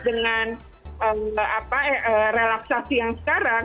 dengan relaksasi yang sekarang